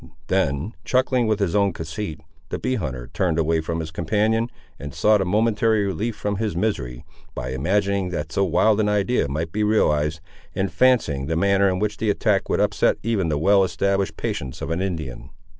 Then, chuckling with his own conceit, the bee hunter turned away from his companion, and sought a momentary relief from his misery, by imagining that so wild an idea might be realised, and fancying the manner, in which the attack would upset even the well established patience of an Indian.